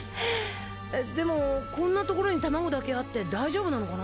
でもこんなところに卵だけあって大丈夫なのかな？